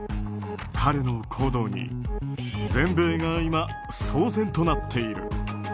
彼の行動に全米が今、騒然となっている。